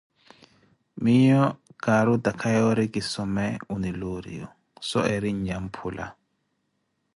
Miiyo kari otakha yoori kisome UniLuriyu, so eri Nnyamphula.